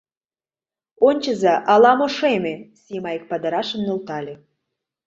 — Ончыза, ала-мо шеме, — Сима ик падырашым нӧлтале.